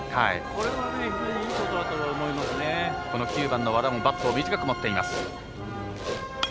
これは非常に９番の和田もバットを短く持っています。